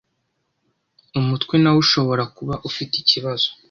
umutwe nawo ushobora kuba ufite ikibazo